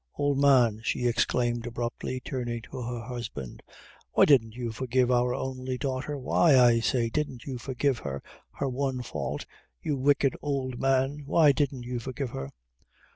Ould man," she exclaimed abruptly, turning to her husband, "why didn't you forgive our only daughter? Why, I say, didn't you forgive her her one fault you wicked ould man, why didn't you forgive her?"